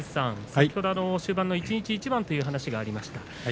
先ほど終盤は一日一番という話がありました。